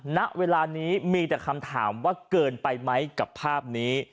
ณเวลานี้มีแต่คำถามว่าเกินไปไหมกับภาพนี้